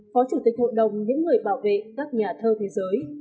phó chủ tịch hội đồng những người bảo vệ các nhà thơ thế giới